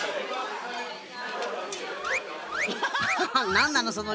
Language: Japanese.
何なの？